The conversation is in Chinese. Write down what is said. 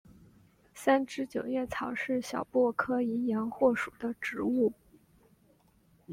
三枝九叶草是小檗科淫羊藿属的植物。